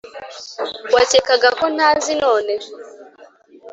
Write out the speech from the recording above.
wakekaga ko ntazi none